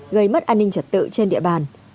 gây mất an ninh trật tự trên địa bàn